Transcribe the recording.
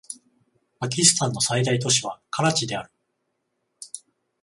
パキスタンの最大都市はカラチである